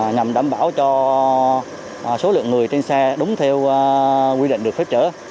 nhằm đảm bảo cho số lượng người trên xe đúng theo quy định được phép chở